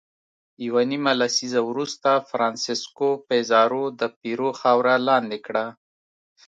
یوه نیمه لسیزه وروسته فرانسیسکو پیزارو د پیرو خاوره لاندې کړه.